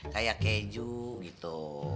kayak keju gitu